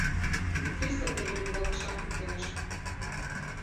Шичса теве лӱҥгалтышан пӱкеныш.